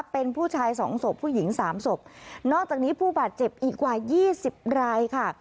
เป็นผู้ชายสองศพผู้หญิงสามศพนอกจากนี้ผู้บาดเจ็บอีกกว่ายี่สิบรายค่ะ